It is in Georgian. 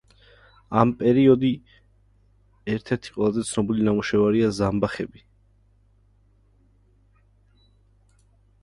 ამ პერიოდი ერთ-ერთი ყველაზე ცნობილი ნამუშევარია ზამბახები.